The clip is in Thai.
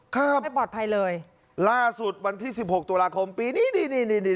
ครับไม่ปลอดภัยเลยล่าสุดวันที่สิบหกตุลาคมปีนี้นี่นี่นี่